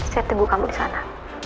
saya tebu kamu di sana